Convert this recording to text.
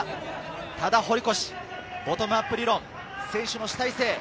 ただ堀越、ボトムアップ理論、選手の主体性。